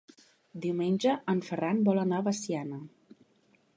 Diumenge en Ferran vol anar a Veciana.